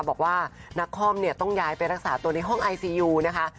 บอกว่านักคอมเนี่ยต้องย้ายไปรักษาตัวในห้องไอซียูนะคะ